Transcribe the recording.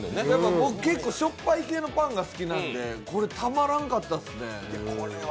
僕、結構しょっぱい系のパンが好きなんで、これたまらんかったですね。